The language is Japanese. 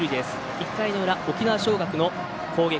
１回の裏、沖縄尚学の攻撃。